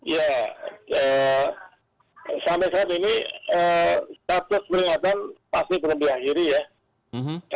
ya sampai saat ini status peringatan pasti belum diakhiri ya